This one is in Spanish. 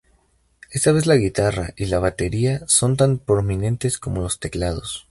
Esta vez la guitarra y la batería son tan prominentes como los teclados".